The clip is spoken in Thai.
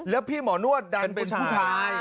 แล้วพี่หมอนวดดันเป็นผู้ชาย